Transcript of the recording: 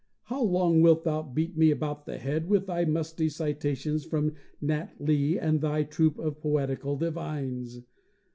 How long wilt thou beat me about the head with thy musty citations from Nat Lee and thy troop of poetical divines?